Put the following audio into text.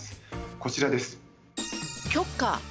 こちらです。